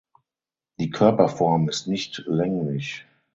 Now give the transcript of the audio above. Die Körperform ist nicht länglich.